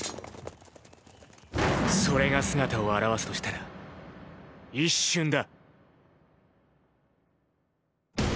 それが姿を現すとしたら一瞬だ。